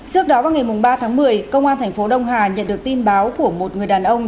trước đó vào ngày ba tháng một mươi công an thành phố đông hà nhận được tin báo của một người đàn ông